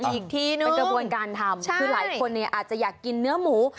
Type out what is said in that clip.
อีกที่หนึ่งเป็นกระบวนการทำคือหลายคนเนี่ยอาจจะอยากกินเนื้อหมู